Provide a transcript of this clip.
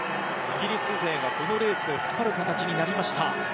イギリス勢がこのレースを引っ張る形になりました。